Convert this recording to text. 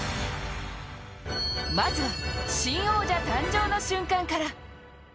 まずは新王者誕生の瞬間から。